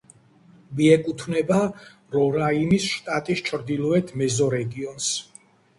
მიეკუთვნება რორაიმის შტატის ჩრდილოეთ მეზორეგიონს.